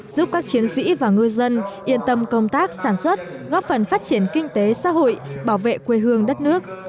giúp các chiến sĩ và ngư dân yên tâm công tác sản xuất góp phần phát triển kinh tế xã hội bảo vệ quê hương đất nước